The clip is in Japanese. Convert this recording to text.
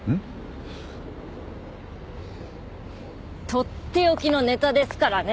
とっておきのネタですからね！